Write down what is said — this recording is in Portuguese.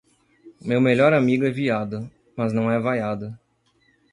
meu melhor amigo é viado mas não é vaiado